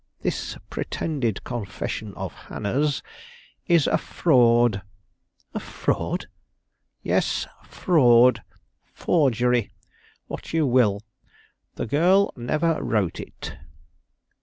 This pretended confession of Hannah's is a fraud!" "A fraud?" "Yes; fraud, forgery, what you will; the girl never wrote it."